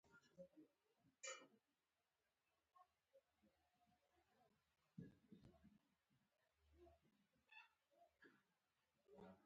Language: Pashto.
د افغانستان غره زیاته ښکلا لري.